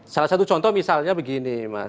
salah satu contoh misalnya begini mas